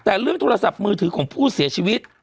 แต่เรื่องโทรศัพท์มือถือของผู้เสียชีวิต